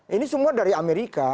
ini semua dari amerika